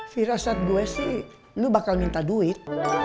firasat gue sih lo bakal minta duit